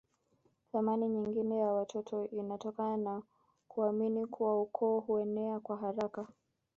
Thamani nyingine ya watoto inatokana na kuamini kuwa ukoo huenea kwa haraka